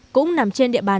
cũng nằm trên địa bàn